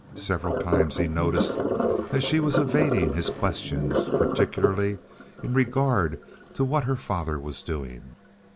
Several times he noticed that she was evading his questions, particularly in regard to what her father was doing.